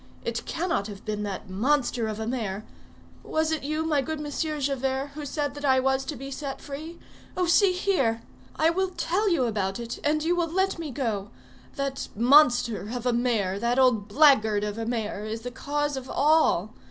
It cannot have been that monster of a mayor! Was it you, my good Monsieur Javert, who said that I was to be set free? Oh, see here! I will tell you about it, and you will let me go. That monster of a mayor, that old blackguard of a mayor, is the cause of all.